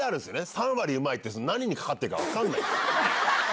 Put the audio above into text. ３割うまいって、何にかかってるか分かんない。